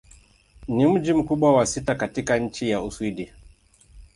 Ni mji mkubwa wa sita katika nchi wa Uswidi.